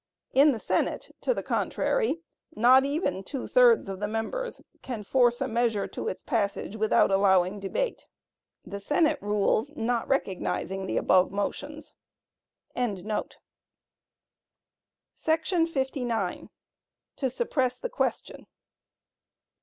In the Senate, to the contrary, not even two thirds of the members can force a measure to its passage without allowing debate, the Senate rules not recognizing the above motions. 59. To Suppress the Question.